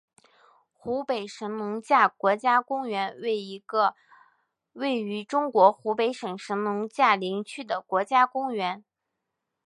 湖北神农架国家公园为一个位于中国湖北省神农架林区的国家公园。